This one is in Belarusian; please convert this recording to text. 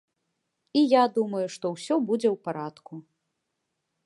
І я думаю, што ўсё будзе ў парадку!